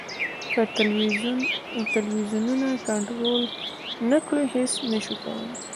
که ټلویزیونونه کنټرول نه کړو هېڅ نه شو کولای.